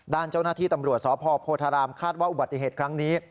ด้านเจ้าหน้าที่ตำรวจสพโพธารามคาดว่าอุบัติเหตุครั้งนี้